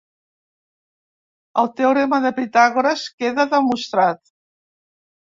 El teorema de Pitàgores queda demostrat.